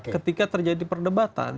ketika terjadi perdebatan